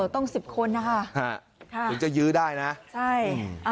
อ๋อต้อง๑๐คนนะฮะถึงจะยื้อได้นะใช่